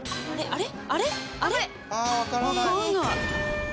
あれ？